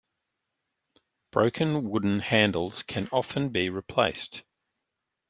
Broken wooden handles can often be replaced.